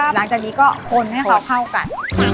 หลังจากนี้ก็คนให้เขาเข้ากัน